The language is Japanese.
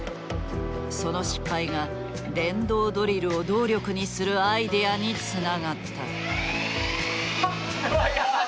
その失敗が電動ドリルを動力にするアイデアにつながった。